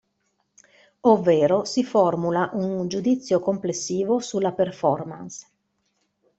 Ovvero si formula un giudizio complessivo sulla performance.